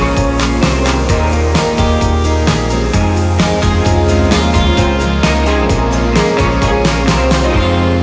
โปรดติดตามตอนต่อไป